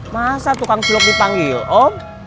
masa tukang cup dipanggil om